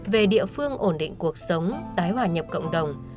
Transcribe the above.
về địa phương ổn định cuộc sống tái hòa nhập cộng đồng